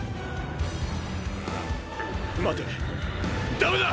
待てダメだ！！